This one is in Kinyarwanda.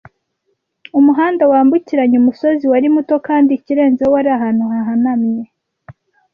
Umuhanda wambukiranya umusozi wari muto, kandi ikirenzeho, wari ahantu hahanamye.